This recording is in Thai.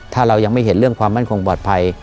ถ้าเรายังไม่เห็นเรื่องความมั่นคงปลอดภัย